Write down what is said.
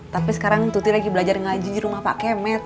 tapi sekarang tuti lagi belajar ngaji di rumah pak kemet